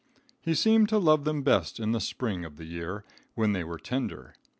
He seemed to love them best in the spring of the year, when they were tender.